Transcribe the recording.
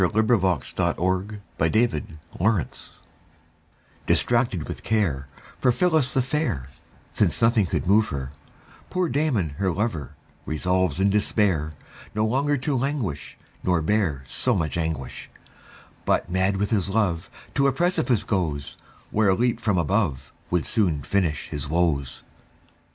William Walsh The Despairing Lover DISTRACTED with care, For Phillis the fair, Since nothing could move her, Poor Damon, her lover, Resolves in despair No longer to languish, Nor bear so much anguish; But, mad with his love, To a precipice goes; Where a leap from above Would soon finish his woes.